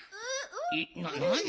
えっなに？